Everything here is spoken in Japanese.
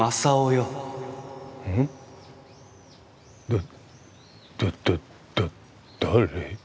だだだだ誰？